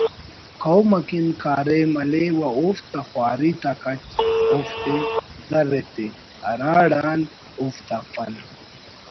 قوم اکن کاریم ہلے و اوفتا خواری تا کچ اوفتے زر ایتے ہراڑان اوفتا فن